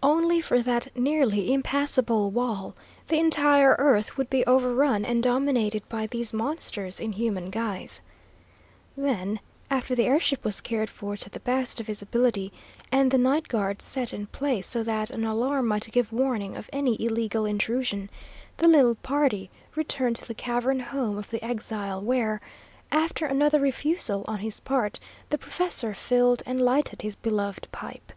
Only for that nearly impassable wall, the entire earth would be overrun and dominated by these monsters in human guise. Then, after the air ship was cared for to the best of his ability, and the night guard set in place so that an alarm might give warning of any illegal intrusion, the little party returned to the cavern home of the exile where, after another refusal on his part, the professor filled and lighted his beloved pipe.